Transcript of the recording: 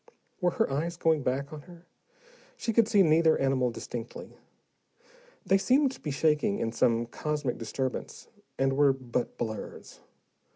Were her eyes going back on her? She could see neither animal distinctly: they seemed to be shaking in some cosmic disturbance, and were but blurs.